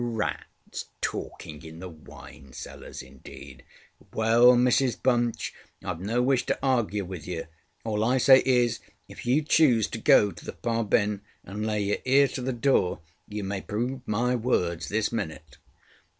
Rats talking in the wine cellar indeed! ŌĆØ ŌĆ£Well, Mrs Bunch, IŌĆÖve no wish to argue with you: all I say is, if you choose to go to the far bin, and lay your ear to the door, you may prove my words this minute.